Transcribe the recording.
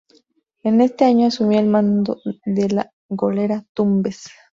En este año asumió el mando de la goleta "Tumbes".